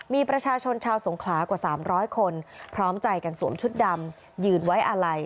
มีประชาชนชาวสงขลากว่า๓๐๐คนพร้อมใจกันสวมชุดดำยืนไว้อาลัย